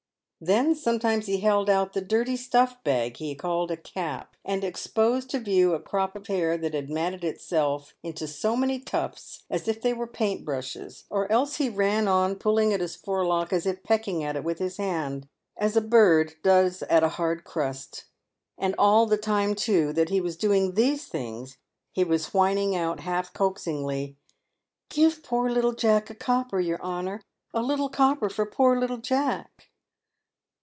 Then sometimes he held out the dirty stuff bag he called a cap, and exposed to view a crop of hair that had matted itself into so many tufts, as if they were paint brushes ; or else he ran on, pulling at his forelock, as if pecking at it with his hand, as a bird does at a hard crust. And all the time, too, that he was doing these things, he was whining out, half coaxingly, " Give poor little Jack a copper, your honour — a little copper for poor little Jack!"